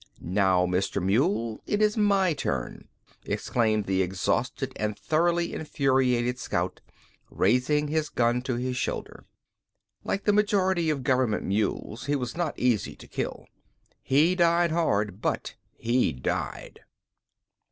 "Now, Mr. Mule, it is my turn," exclaimed the exhausted and thoroughly infuriated scout, raising his gun to his shoulder. Like the majority of Government mules he was not easy to kill. He died hard, but he died.